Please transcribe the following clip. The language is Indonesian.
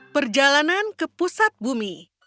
perjalanan ke pusat bumi